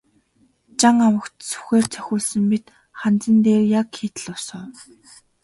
Жан овогт сүхээр цохиулсан мэт ханзан дээр яг хийтэл суув.